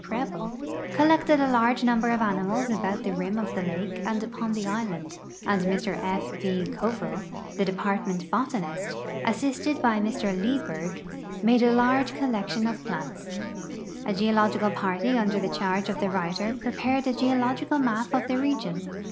Preble, collected a large number of animals about the rim of the lake ami upon the island, and Mr F. V. Coville, the Department Botanist, assisted by MrLieburg, made a large collection of plants. A geological j)arty under the charge of the writer i>re})ared a geological map of the region.